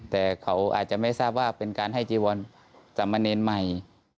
แต่เขาอาจจะไม่ทราบว่าเป็นการให้จีวรสามเณรใหม่